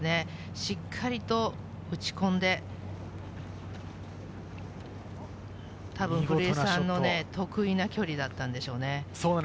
しっかりと打ち込んで、たぶん古江さんの得意な距離だったのでしょうね。